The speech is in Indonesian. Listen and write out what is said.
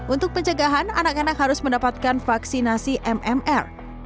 untuk pencegahan anak anak harus mendapatkan vaksinasi mmr